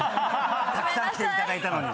たくさん来ていただいたのに。